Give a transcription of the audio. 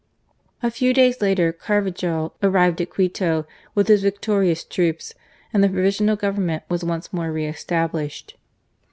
A few days later Carvajal arrived at Quito with his victorious troops, and the Provisional Government was once more re established.